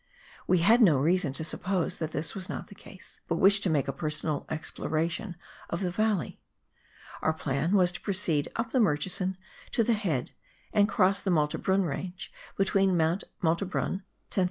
We had no reason to suppose that this was not the case, but wished to make a personal exploration of the valley. Our plan was to proceed up the Murchison to the head, and cross the Malte Brun Range, between Mount Malte Bruu (10,421 ft.)